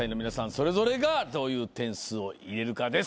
それぞれがどういう点数を入れるかです。